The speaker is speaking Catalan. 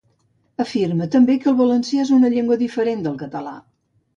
Afirma, també, que el valencià és una llengua diferent del català.